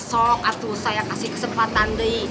sok atuh saya kasih kesempatan deh